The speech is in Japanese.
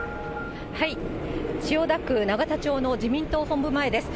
千代田区永田町の自民党本部前です。